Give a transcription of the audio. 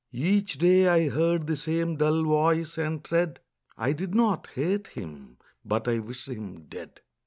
Each day I heard the same dull voice and tread; I did not hate him: but I wished him dead.